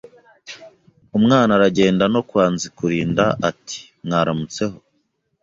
Umwana aragenda no kwa Nzikurinda ati Mwaramutseho